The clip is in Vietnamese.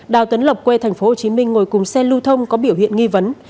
đào tấn lộc quê tp hcm ngồi cùng xe lưu thông có biểu hiện nghi vấn